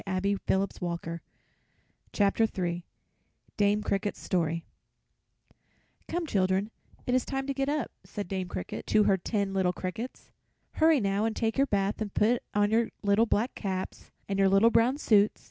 DAME CRICKET'S STORY [Illustration: Dame Cricket] "Come, children, it is time to get up," said Dame Cricket to her ten little crickets. "Hurry, now, and take your bath and put on your little black caps and your little brown suits.